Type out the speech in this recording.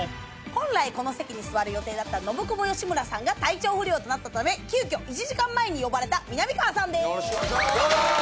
本来この席に座る予定だったノブコブ吉村さんが体調不良となったため急きょ１時間前に呼ばれたみなみかわさんでーす。